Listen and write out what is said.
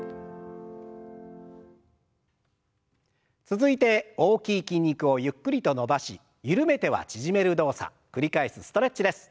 続いて大きい筋肉をゆっくりと伸ばし緩めては縮める動作繰り返すストレッチです。